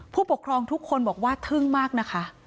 ผู้ปกครองทุกคนบอกว่าทึ่งมากนะคะ